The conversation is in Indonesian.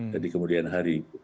jadi kemudian hari